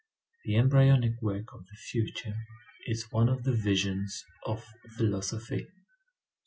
The embryonic work of the future is one of the visions of philosophy.